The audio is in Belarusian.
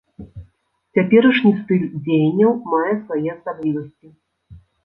Цяперашні стыль дзеянняў мае свае асаблівасці.